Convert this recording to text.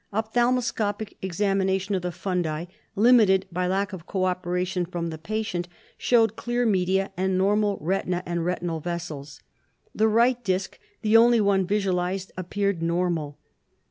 Ophthalmoscopic examination of the fundi, limited by lack of cooperation from the patient, showed clear media and normal retina and retinal vessels. The right disc, the only one visualized, appeared normal.